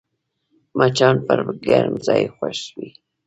مچان پر ګرم ځای خوښ وي